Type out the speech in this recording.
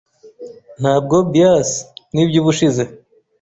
Ntabwo bias nibyubushize